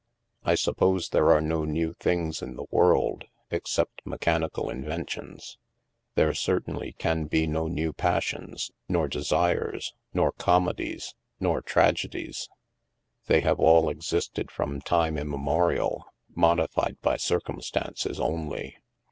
I suppose there are no new things in the world — ex cept mechanical inventions. There certainly can be no new passions, nor desires, nor comedies, nor tragedies. They have all existed from time im memorial, modified by circumstances only.